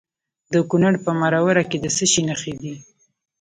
د کونړ په مروره کې د څه شي نښې دي؟